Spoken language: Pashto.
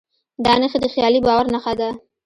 دا نښې د خیالي باور نښه ده.